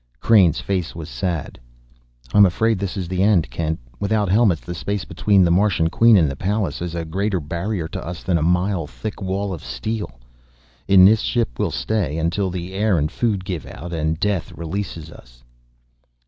Crain's face was sad. "I'm afraid this is the end, Kent. Without helmets, the space between the Martian Queen and the Pallas is a greater barrier to us than a mile thick wall of steel. In this ship we'll stay, until the air and food give out, and death releases us."